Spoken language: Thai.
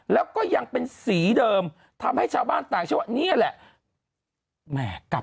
แล้วก็ยังเป็นสีเดิมทำให้ชาวบ้านต่างเชื่อว่านี่แหละ